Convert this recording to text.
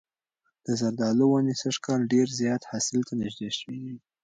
د زردالو ونې سږ کال ډېر زیات حاصل ته نږدې شوي دي.